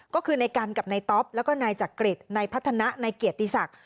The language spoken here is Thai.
ก็คือในกันกับในต๊อปแล้วก็ในจักริตในพัฒนะในเกียรติศักดิ์